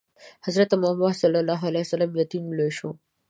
حضرت محمد ﷺ یتیم لوی شو.